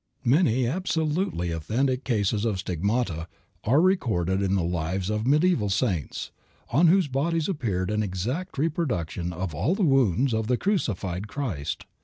Many absolutely authentic cases of stigmata are recorded in the lives of medieval saints, on whose bodies appeared an exact reproduction of all the wounds of the crucified Christ.